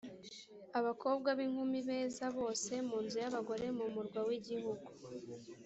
abakobwa b’inkumi beza bose mu nzu y’abagore mu murwa w’igihugu